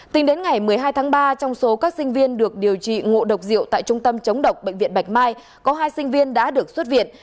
tính đến ngày một mươi hai tháng ba trong số các sinh viên được điều trị ngộ độc rượu tại trung tâm chống độc bệnh viện bạch mai có hai sinh viên đã được xuất viện